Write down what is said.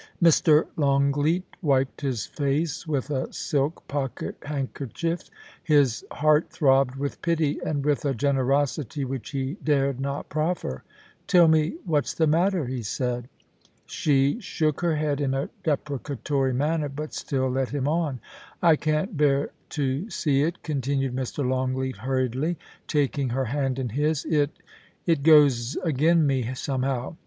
Mr. Longleat wiped his face with a silk pocket handker chief. His heart throbbed with pity, and with a generosity which he dared not proffer. * Tell me what's the matter,' he said. She shook her head in a deprecatory manner, but still led him on. * I can't bear to see it,' continued Mr. Longleat, hurriedly, taking her hand in his. * It — it goes agen me, somehow.